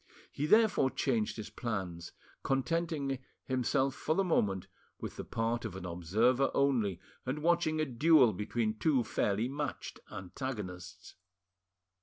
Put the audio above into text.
He therefore changed his plans, contenting "himself for the moment with the part of an observer only, and watching a duel between two fairly matched antagonists.